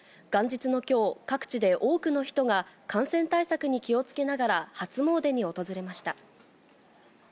元日のきょう、各地で多くの人が感染対策に気をつけながら、初詣に訪れました。